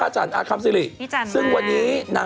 ความบันเทิงครบรสทุกที่ทุกเวลา